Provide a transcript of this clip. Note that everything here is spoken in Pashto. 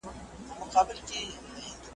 د ژبي اعتبار د قوم اعتبار دی .